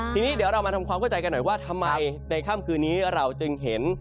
ทีนี้เดี๋ยวเรามาทำความเข้าใจกันหน่อยว่าทำไมในค่ำคืนนี้เราจึงเห็น